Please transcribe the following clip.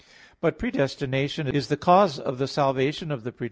But predestination is the cause of the salvation of the predestined.